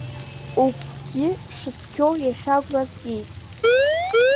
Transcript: Угәгьы шыцқьоу иахьа агәра згеит.